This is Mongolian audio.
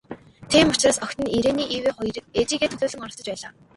Тийм учраас охид нь, Ирене Эве хоёр ээжийгээ төлөөлөн оролцож байлаа.